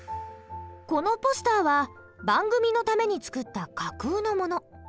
このポスターは番組のために作った架空のもの。